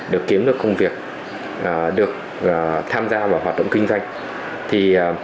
được kiếm được công việc được tham gia vào hoạt động kinh doanh